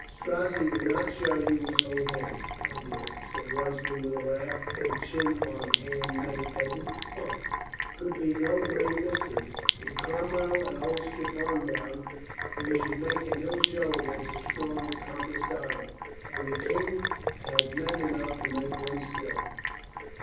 "Strozzi would not show you his whole hand, my dear," said Royston with a laugh, and chin on hand meditated. ... "Humph, it can be no great mystery. With Cromwell and old Skippon down, we should make an ill show against a strong camisado. And the King has men enough to make one still.